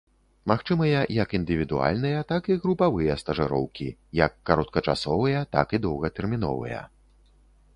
Магчымыя як індывідуальныя, так і групавыя стажыроўкі, як кароткачасовыя, так і доўгатэрміновыя.